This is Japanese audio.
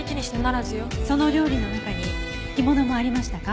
その料理の中に干物もありましたか？